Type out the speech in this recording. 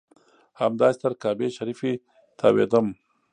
همداسې تر کعبې شریفې تاوېدم.